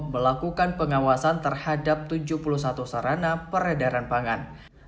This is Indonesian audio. melakukan pengawasan terhadap tujuh puluh satu sarana peredaran pangan